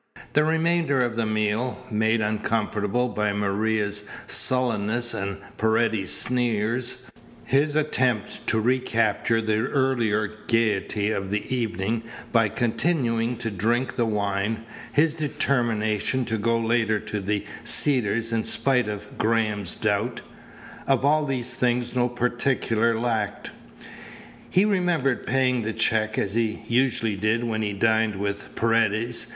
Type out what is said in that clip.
The remainder of the meal, made uncomfortable by Maria's sullenness and Paredes's sneers, his attempt to recapture the earlier gayety of the evening by continuing to drink the wine, his determination to go later to the Cedars in spite of Graham's doubt of all these things no particular lacked. He remembered paying the check, as he usually did when he dined with Paredes.